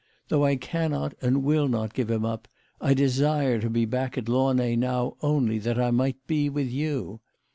Though I cannot and will not give him up, I desire to be back at Launay now only that I might be with you.